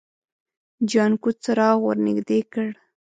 جانکو څراغ ور نږدې کړ.